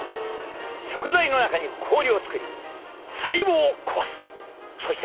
食材の中に氷を作り細胞を壊す！